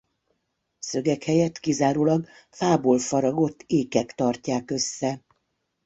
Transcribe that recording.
Szögek helyett kizárólag fából faragott ékek tartják össze.